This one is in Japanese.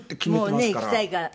もうね行きたいから。